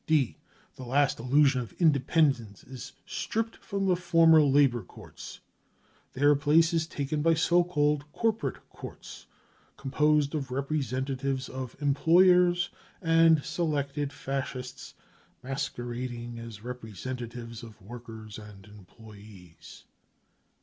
D. The last illusion of independence is stripped from the former Labour Courts. Their place is taken by so called " Corporate Courts," composed of representatives of employers and selected Fascists masquerading as repre sentatives of workers and employees.